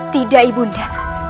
tidak ibu nda